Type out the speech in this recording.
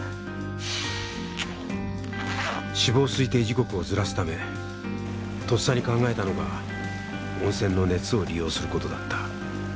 死亡推定時刻をズラすためとっさに考えたのが温泉の熱を利用することだった。